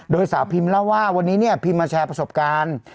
โดยสาวพิมเล่าว่าวันนี้เนี่ยพิมพ์มาแชร์ประสบการณ์